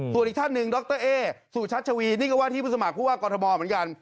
ส่วนอีกท่านหนึ่งดรเอสุชัชวีนี่ก็ว่าที่ผู้สมัครผู้ว่ากรทมเหมือนกัน